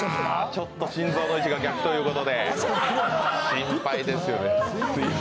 ちょっと心臓の位置が逆ということで心配ですよね。